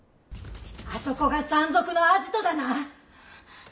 あそこが山賊のアジトだな。